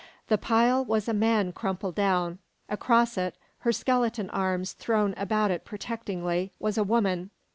The pile was a man crumpled down; across it, her skeleton arms thrown about it protectingly, was a woman.